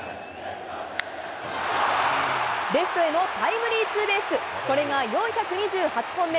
レフトタイムリーツーベース、これが４２８本目。